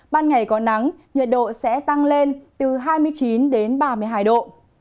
ban ngày có nắng nhiệt độ sẽ tăng lên từ hai mươi chín đến ba mươi hai độ